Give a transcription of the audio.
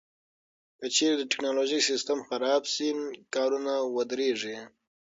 که چیرې د ټکنالوژۍ سیستم خراب شي، کارونه ودریږي.